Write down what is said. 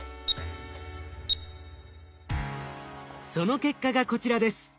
その結果がこちらです。